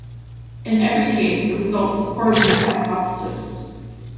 In every case, the results supported his hypothesis.